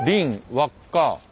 輪っか。